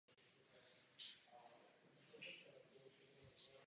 K výzvě se připojily všechny ostatní německé strany.